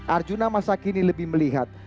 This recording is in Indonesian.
arjuna masa kini lebih melihat